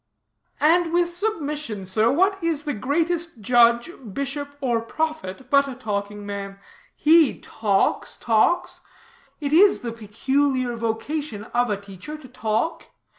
"And with submission, sir, what is the greatest judge, bishop or prophet, but a talking man? He talks, talks. It is the peculiar vocation of a teacher to talk.